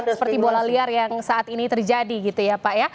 seperti bola liar yang saat ini terjadi gitu ya pak ya